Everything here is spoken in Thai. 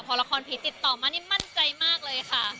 พอละครผีติดต่อมานี่มั่นใจมากเลยค่ะ